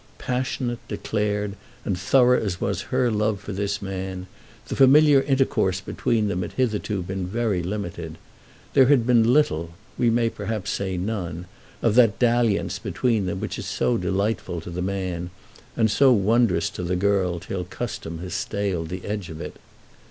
Passionate, declared, and thorough as was her love for this man, the familiar intercourse between them had hitherto been very limited. There had been little, we may perhaps say none, of that dalliance between them which is so delightful to the man and so wondrous to the girl till custom has staled the edge of it.